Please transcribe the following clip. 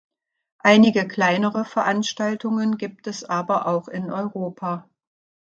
Einige kleinere Veranstaltungen gibt es aber auch in Europa.